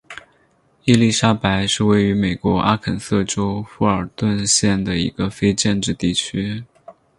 伊莉莎白是位于美国阿肯色州富尔顿县的一个非建制地区。